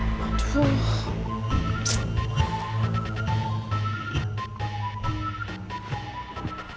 aku harus keluar dari sini